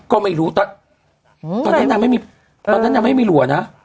ก็ไม่รู้ตอนนั้นยังไม่มีหลัวนะ